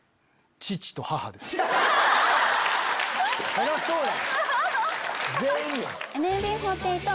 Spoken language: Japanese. そりゃそうや！